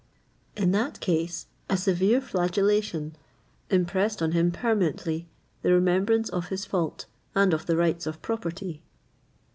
In that case a severe flagellation impressed on [Illustration: Pl. 25.] him permanently the remembrance of his fault and of the rights of property.